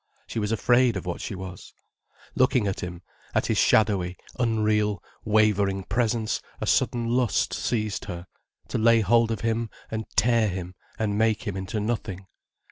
She was afraid of what she was. Looking at him, at his shadowy, unreal, wavering presence a sudden lust seized her, to lay hold of him and tear him and make him into nothing.